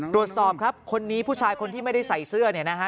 ตรวจสอบครับคนนี้ผู้ชายคนที่ไม่ได้ใส่เสื้อเนี่ยนะฮะ